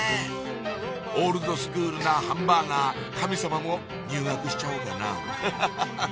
オールドスクールなハンバーガー神様も入学しちゃおうかなハハハ！